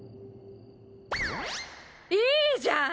いいじゃん！